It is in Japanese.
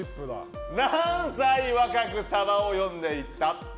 何歳若くサバを読んでいた？